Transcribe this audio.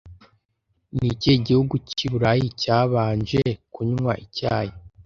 Ni ikihe gihugu cy'i Burayi cyabanje kunywa icyayi